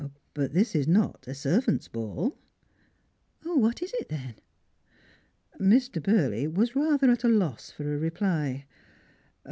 " But this is not a servants' ball." " What is it, then ?" Mr. Burley was rather at a loss for a reply.